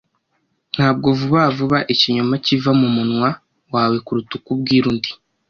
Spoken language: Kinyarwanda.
Ntabwo vuba vuba ikinyoma kiva mumunwa wawe kuruta uko ubwira undi.